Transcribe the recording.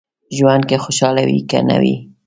ژوند که خوشاله وي که نه وي.